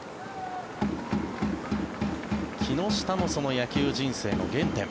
木下の、その野球人生の原点。